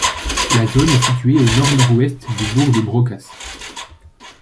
La zone est située au nord-nord-ouest du bourg de Brocas.